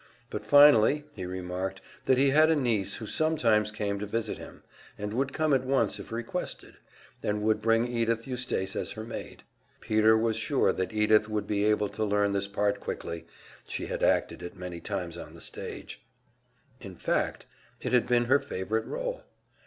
But finally he remarked that he had a niece who sometimes came to visit him, and would come at once if requested, and would bring Edythe Eustace as her maid. Peter was sure that Edythe would be able to learn this part quickly, she had acted it many times on the stage, in fact, it had been her favorite role.